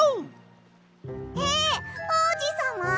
えおうじさま？